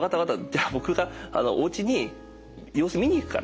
じゃあ僕がおうちに様子見に行くから。